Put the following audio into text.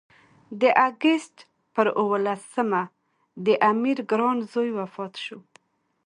د اګست پر اووه لسمه د امیر ګران زوی وفات شو.